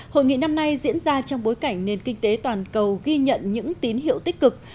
hội nghị năm nay diễn ra trong bối cảnh nền kinh tế toàn cầu ghi nhận những tín hiệu tích cực